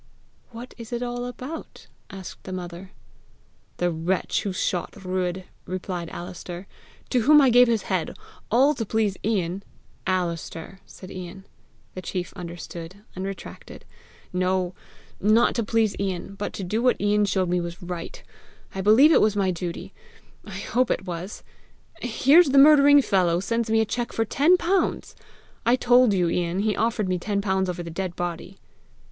"What is it all about?" asked the mother. "The wretch who shot Ruadh," replied Alister, " to whom I gave his head, all to please Ian, " "Alister!" said Ian. The chief understood, and retracted. " no, not to please Ian, but to do what Ian showed me was right: I believe it was my duty! I hope it was! here's the murdering fellow sends me a cheque for ten pounds! I told you, Ian, he offered me ten pounds over the dead body!"